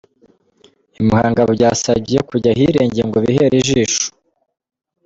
I Muhanga byabasabye kujya ahirengeye ngo bihere ijisho.